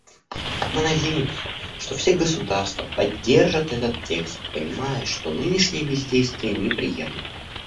Мы надеемся, что все государства поддержат этот текст, понимая, что нынешнее бездействие неприемлемо.